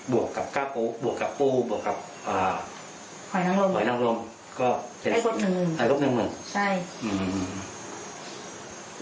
บวกกับกาปูบวกกับปูบวกกับอ่าหอยนางรมหอยนางรมก็ให้ครบหนึ่งให้ครบหนึ่งใช่อืม